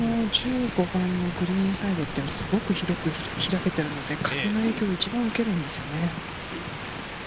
１５番のグリーンサイドはすごく開けているので、風の影響を一番受けるんですよね。